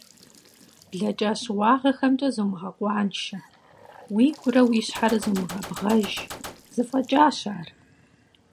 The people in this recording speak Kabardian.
Блэкӏа щыуагъэхэмкӏэ зумыгъэкъуаншэ, уигурэ уи щхьэрэ зумыгъэбгъэж, зэфӏэкӏащ ар.